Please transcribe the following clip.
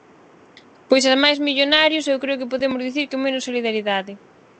Pois a máis millonarios, eu creo que podemos dicir que menos solidariedade.